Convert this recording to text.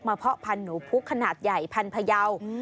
เพาะพันธุ์หนูพุกขนาดใหญ่พันธยาว